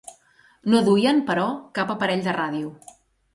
No duien, però, cap aparell de ràdio.